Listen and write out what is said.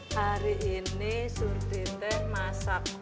hari ini surdin teh masak